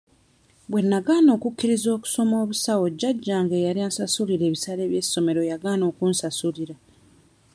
Bwe nagaana okukkiriza okusoma obusawo jjajjange eyali ansasulira ebisale by'essomero yagaana okunsasulira.